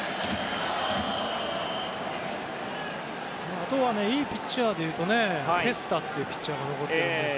あとはいいピッチャーでいうとフェスタというピッチャーが残っています